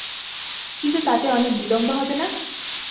কিন্তু তাতে অনেক বিলম্ব হবে না?